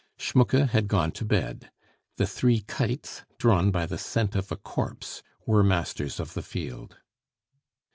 Schmucke had gone to bed. The three kites, drawn by the scent of a corpse, were masters of the field.